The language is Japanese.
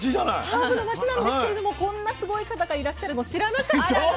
ハーブの町なんですけれどもこんなすごい方がいらっしゃるの知らなかったんですよ。